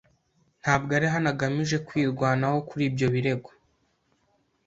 Ntabwo ari hano agamije kwirwanaho kuri ibyo birego